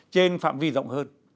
trên phạm vi rộng hơn